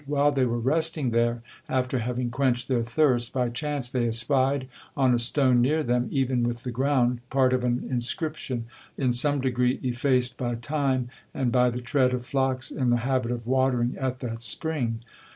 While they were resting there, after having quenched their thirst, by chance they espied on a stone near them, even with the ground, part of an inscription, in some degree effaced by time, and by the tread of flocks in the habit of water ing at that spring.